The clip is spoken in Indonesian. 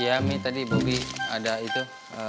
iya mi tadi bobi ada itu